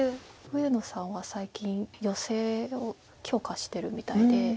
上野さんは最近ヨセを強化してるみたいで。